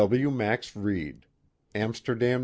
W. Max Reid. Amsterdam, N.